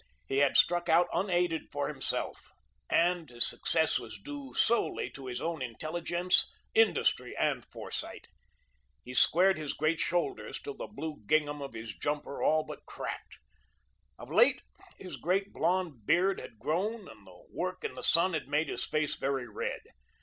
He had struck out unaided for himself, and his success was due solely to his own intelligence, industry, and foresight. He squared his great shoulders till the blue gingham of his jumper all but cracked. Of late, his great blond beard had grown and the work in the sun had made his face very red.